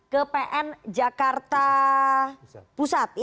ke pn jakarta pusat